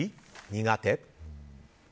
苦手？